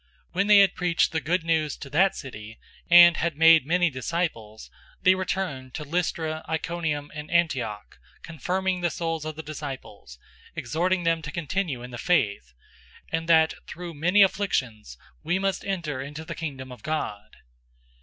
014:021 When they had preached the Good News to that city, and had made many disciples, they returned to Lystra, Iconium, and Antioch, 014:022 confirming the souls of the disciples, exhorting them to continue in the faith, and that through many afflictions we must enter into the Kingdom of God.